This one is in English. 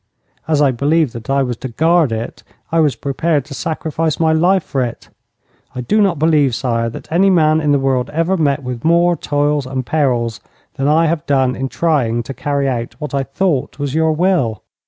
As I believed that I was to guard it, I was prepared to sacrifice my life for it. I do not believe, sire, that any man in the world ever met with more toils and perils than I have done in trying to carry out what I thought was your will.'